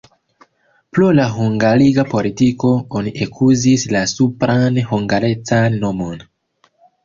Pro la hungariga politiko oni ekuzis la supran hungarecan nomon.